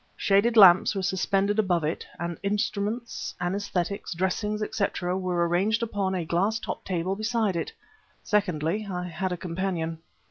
Shaded lamps were suspended above it; and instruments, antiseptics, dressings, etc., were arranged upon a glass topped table beside it. Secondly, I had a companion.